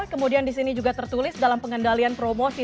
kemudian di sini juga tertulis dalam pengendalian promosi